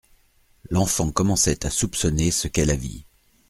L'enfant commençait à soupçonner ce qu'est la vie.